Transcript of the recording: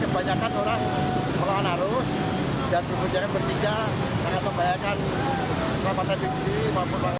itu yang terbaru karena emang saya tahu bakalan dibawa